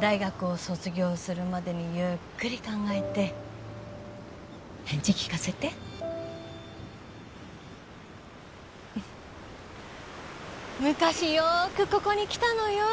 大学を卒業するまでにゆっくり考えて返事聞かせて昔よくここに来たのよ